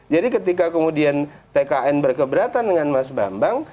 jadi ketika kemudian tkn berkeberatan dengan mas bambang